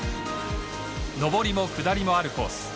上りも下りもあるコース。